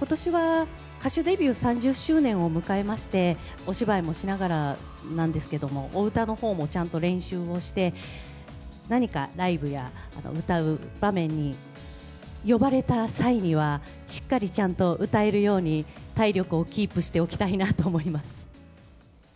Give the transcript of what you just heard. ことしは歌手デビュー３０周年を迎えまして、お芝居もしながらなんですけども、お歌のほうもちゃんと練習をして、何かライブや、歌う場面に呼ばれた際には、しっかりちゃんと歌えるように、体力をキープしておきたいなと思います。